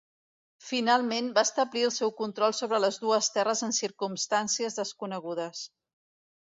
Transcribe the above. Finalment va establir el seu control sobre les dues terres en circumstàncies desconegudes.